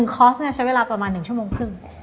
คอร์สใช้เวลาประมาณ๑ชั่วโมงครึ่ง